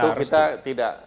tentu kita tidak